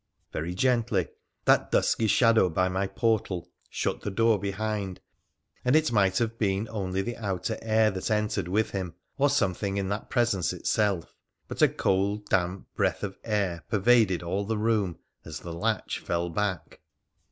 Very gently that dusky shadow by my portal shut the door behind, and it might have been only the outer air that entered with him, or something in that presence itself, but a cold, damp breath of air pervaded all the room as the latch fell back.